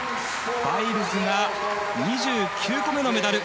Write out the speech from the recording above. バイルズが２９個目のメダル。